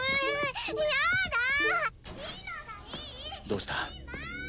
どうした？